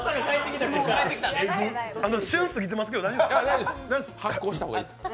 旬、過ぎてますけど大丈夫ですか？